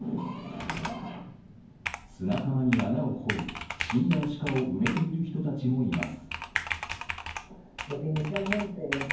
砂浜に穴を掘り、死んだアシカを生めている人たちもいます。